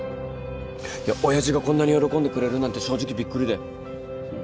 いや親父がこんなに喜んでくれるなんて正直びっくりだよ。